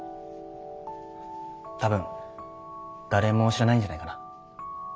多分誰も知らないんじゃないかな。